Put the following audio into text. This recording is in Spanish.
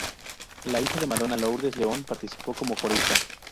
La hija de Madonna, Lourdes Leon, participó como corista.